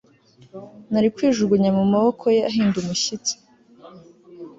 nari kwijugunya mu maboko ye ahinda umushyitsi